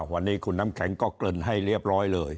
วันนี้คุณน้ำแข็งก็เกริ่นให้เรียบร้อยเลย